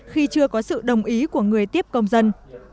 khi chưa có sự đồng ý của người tiếp công dân